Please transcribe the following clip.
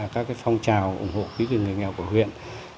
các phong trào ủng hộ quý vị người nghèo của huyện